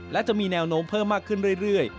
และจะมีแนวโน้มเพิ่มมากขึ้นเรื่อย